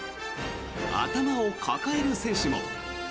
頭を抱える選手も。